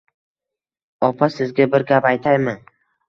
Opa, sizga bir gap aytaymi?